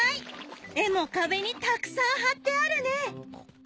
絵も壁にたくさん貼ってあるね。